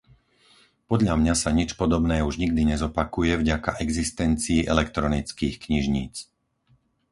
Podľa mňa sa nič podobné už nikdy nezopakuje vďaka existencii elektronických knižníc.